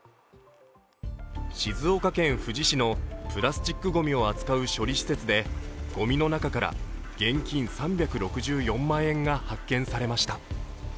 静岡県富士市のプラスチックごみを扱う処理施設でごみの中から現金３６４万円が発見されました。